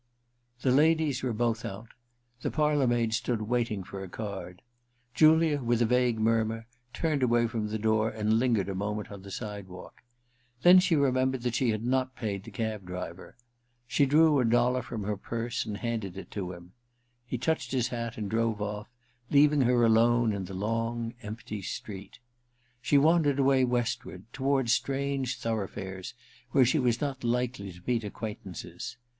The ladies were both out ... the parlour maid stood waiting for a card. Julia, with a vague murmur, turned away from the door and lingered a moment on the sidewalk. Then she remembered that she had not paid the cab driver. She drew a dollar from her purse and handed it to him. He touched his hat and drove off, leaving her alone in the long empty Ill THE RECKONING 223 street. She wandered away westward, toward strange thoroughfares, where she was not likely to meet acquaintances.